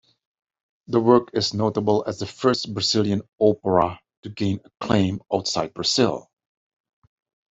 The work is notable as the first Brazilian opera to gain acclaim outside Brazil.